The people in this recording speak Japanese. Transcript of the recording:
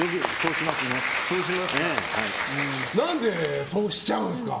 何でそうしちゃうんですか？